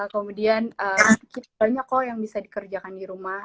kemudian banyak kok yang bisa dikerjakan di rumah